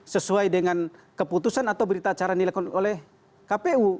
sesuai dengan keputusan atau berita acara yang dilakukan oleh kpu